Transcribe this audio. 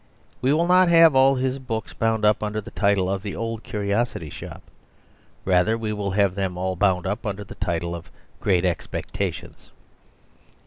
We will not have all his books bound up under the title of 'The Old Curiosity Shop.' Rather we will have them all bound up under the title of 'Great Expectations.